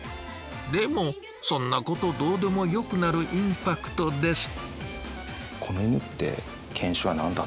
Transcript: でもそんなことどうでもよくなるインパクトです。